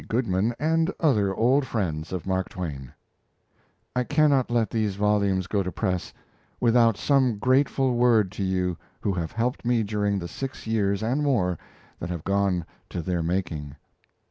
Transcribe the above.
Goodman, and other old friends of Mark Twain: I cannot let these volumes go to press without some grateful word to you who have helped me during the six years and more that have gone to their making.